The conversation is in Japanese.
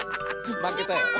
まけたよ。